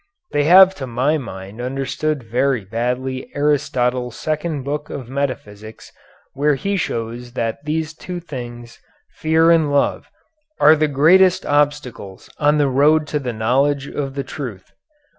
They have to my mind understood very badly Aristotle's second book of metaphysics where he shows that these two things, fear and love, are the greatest obstacles on the road to the knowledge of the truth.